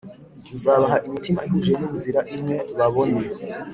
Nzabaha imitima ihuje n inzira imwe babone